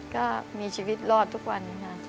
ก็มีชีวิตรอดทุกวันค่ะ